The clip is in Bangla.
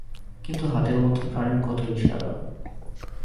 কিন্তু হাতের মধ্যে প্রাণের কত ইশারা!